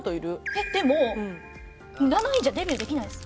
えっでも７位じゃデビューできないです。